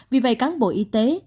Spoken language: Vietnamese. vì vậy cán bộ y tế